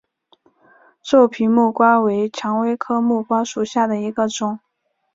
皱皮木瓜为蔷薇科木瓜属下的一个种。